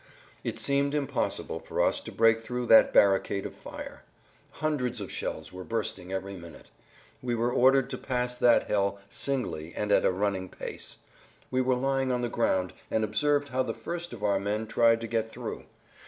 It seemed impossible for us to break through that barricade of fire. Hundreds of shells were bursting every minute. We were ordered to pass that hell singly and at a running pace. We were lying on the ground and observed how the first of our men tried to get through.